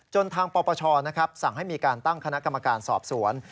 ทางปปชสั่งให้มีการตั้งคณะกรรมการสอบสวน